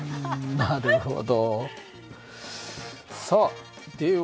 なるほど。